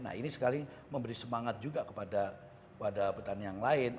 nah ini sekali memberi semangat juga kepada petani yang lain